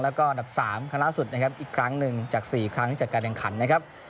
แล้วก็อันดับ๓ครั้งล่าสุดนะครับอีกครั้งหนึ่งจาก๔ครั้งที่จัดการแข่งขันนะครับ